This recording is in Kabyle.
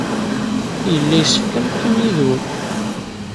Yella yessefk ad neqqim yid-wen.